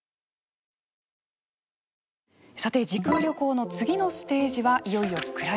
さて時空旅行の次のステージはいよいよクライマックス。